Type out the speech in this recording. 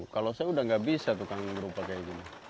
kalau saya udah gak bisa tukang gerupa kayak gini